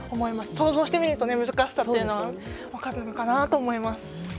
想像してみると難しさというのが分かるのかなと思います。